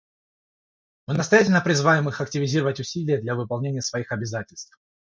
Мы настоятельно призываем их активизировать усилия для выполнения своих обязательств.